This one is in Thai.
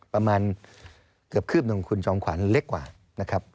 ประมาณเกือบคืบหนึ่งคุณจอมขวัญเล็กกว่านะครับ